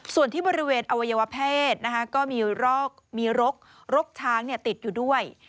ส่วนที่บริเวณอวัยวเพศก็มีรกช้างติดอยู่ด้วย